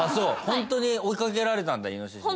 ホントに追いかけられたんだイノシシに。